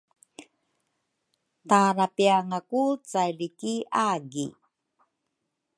Tara pianga ku caili ki agi?